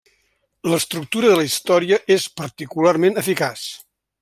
L'estructura de la història és particularment eficaç.